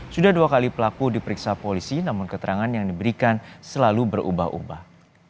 sudah dua kali pelaku diperiksa polisi namun keterangan yang diberikan selalu berubah ubah